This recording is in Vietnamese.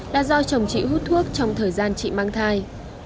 là do chồng chị hút thuốc trong thời gian chị mang thai